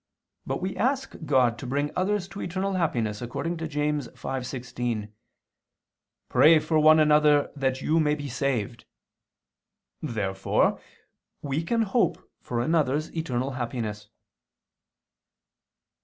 But we ask God to bring others to eternal happiness, according to James 5:16: "Pray for one another that you may be saved." Therefore we can hope for another's eternal happiness.